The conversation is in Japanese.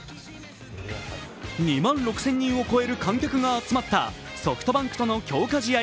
２万６０００人を超える観客が集まったソフトバンクとの強化試合